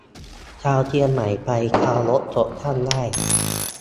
ชาวเชียงใหม่ไปคารวะศพท่านได้